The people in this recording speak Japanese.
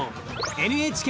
ＮＨＫ